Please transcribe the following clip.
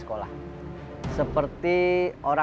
aku gak sempurna